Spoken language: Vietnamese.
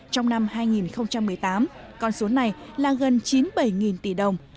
trong năm hai nghìn một mươi tám con số này là gần chín mươi bảy tỷ đồng